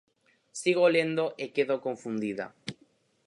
Sigo lendo e quedo confundida.